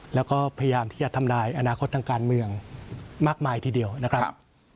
แล้วก็พยายามที่จะทำลายอนาคตทางการเมืองมากมายทีเดียวนะครับ